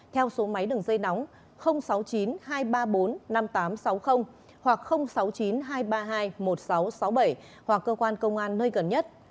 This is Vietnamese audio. theo số máy đường dây nóng sáu mươi chín hai trăm ba mươi bốn năm nghìn tám trăm sáu mươi hoặc sáu mươi chín hai trăm ba mươi hai một nghìn sáu trăm sáu mươi bảy hoặc cơ quan công an nơi gần nhất